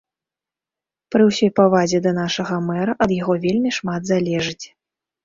Пры ўсёй павазе да нашага мэра, ад яго вельмі шмат залежыць.